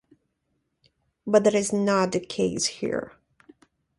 But that is not the case here.